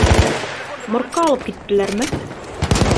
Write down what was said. Моргка алып киттеләрме?